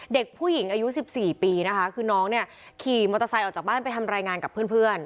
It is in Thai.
เด็กผู้หญิงอายุ๑๔ปีนะคะคือน้องเนี่ยขี่มอเตอร์ไซค์ออกจากบ้านไปทำรายงานกับเพื่อน